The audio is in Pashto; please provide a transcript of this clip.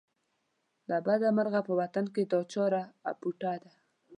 له بده مرغه په وطن کې دا چاره اپوټه ده.